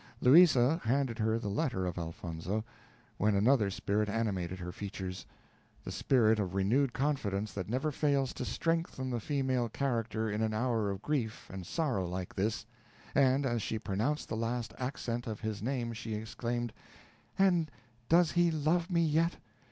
Louisa handed her the letter of Elfonzo, when another spirit animated her features the spirit of renewed confidence that never fails to strengthen the female character in an hour of grief and sorrow like this, and as she pronounced the last accent of his name, she exclaimed, "And does he love me yet!